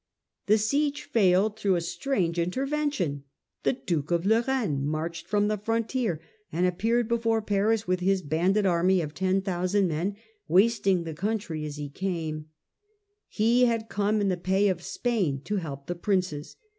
The siege failed through a a e arance stran g e intervention. The Duke of Lorraine oAhTSuke marched from the frontier, and appeared of Lorraine. before p ar j s w ith his bandit army of 10,000 men, wasting the country as he came. He had come in the pay of Spain to help the princes.